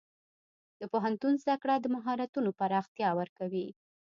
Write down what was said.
د پوهنتون زده کړه د مهارتونو پراختیا ورکوي.